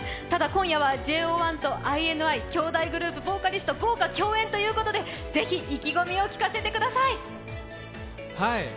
ただ、今夜はＪＯ１とＩＮＩ、兄弟グループボーカリスト豪華共演ということでぜひ、意気込みを聞かせてください。